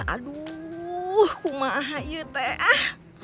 aduh kumaha yu teh